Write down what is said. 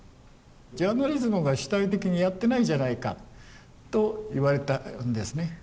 ジャーナリズムが主体的にやってないじゃないかと言われたんですね。